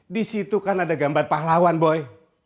di situ kan ada gambar pahlawan boy